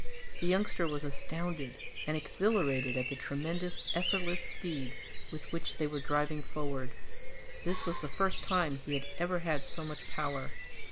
The youngster was astounded and exhilarated at the tremendous, effortless speed with which they were driving forward. This was the first time he had ever had so much power.